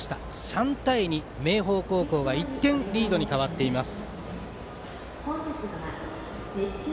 ３対２、明豊高校の１点リードに変わっています。